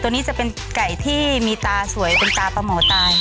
นี้จะเป็นไก่ที่มีตาสวยเป็นตาปลาหมอตาย